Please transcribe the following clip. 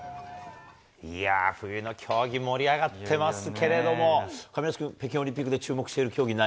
冬の競技盛り上がってますけれども亀梨君、北京オリンピックで注目している競技は何？